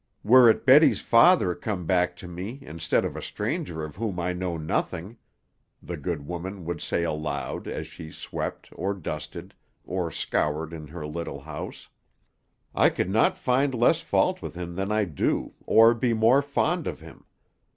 "Were it Betty's father come back to me, instead of a stranger of whom I know nothing," the good woman would say aloud, as she swept, or dusted, or scoured in her little house, "I could not find less fault with him than I do, or be more fond of him.